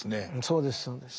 そうですそうです。